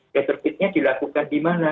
retrofitnya dilakukan di mana